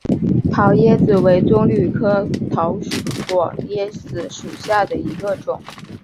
桃椰子为棕榈科桃果椰子属下的一个种。